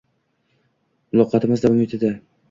Muloqotimiz davom etadi.